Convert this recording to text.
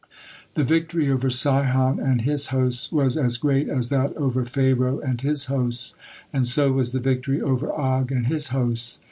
The victory over Sihon and his hosts was as great as that over Pharaoh and his hosts, and so was the victory over Og and his hosts.